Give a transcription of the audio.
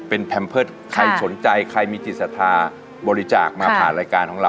เป็นแพมเพิร์ตใครสนใจใครมีจิตศรัทธาบริจาคมาผ่านรายการของเรา